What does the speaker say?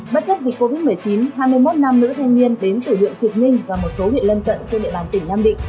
bất chấp dịch covid một mươi chín hai mươi một nam nữ thanh niên đến tử lượng trượt nhanh và một số huyện lân cận trên địa bàn tỉnh nam định